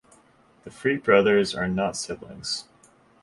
The Freak Brothers are not siblings.